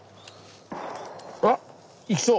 あっいきそう。